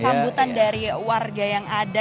sambutan dari warga yang ada